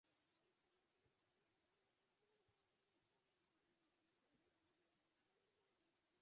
Mo‘yloviyam bor. Nuqul: «Suya- gingni menga ber, men tozalab beray!» deydi.